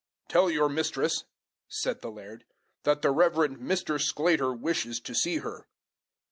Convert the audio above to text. "Tell your mistress," said the laird, "that the Rev. Mr. Sclater wishes to see her."